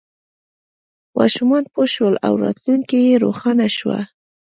ماشومان پوه شول او راتلونکی یې روښانه شو.